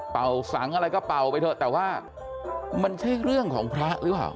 สังอะไรก็เป่าไปเถอะแต่ว่ามันใช่เรื่องของพระหรือเปล่า